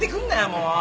もう。